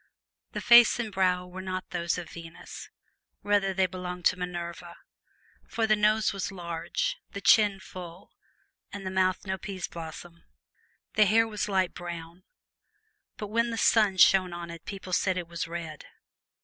The face and brow were not those of Venus rather they belonged to Minerva; for the nose was large, the chin full, and the mouth no pea's blossom. The hair was light brown, but when the sun shone on it people said it was red.